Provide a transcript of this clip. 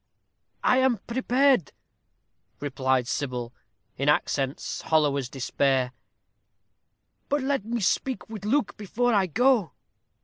"I am prepared," replied Sybil, in accents hollow as despair; "but let me speak with Luke before we go."